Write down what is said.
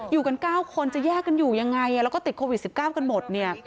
อยู่กัน๙คนจะแยกกันอยู่ยังไงแล้วก็ติดโควิด๑๙กันหมดเนี่ย